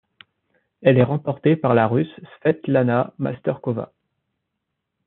Elle est remportée par la Russe Svetlana Masterkova.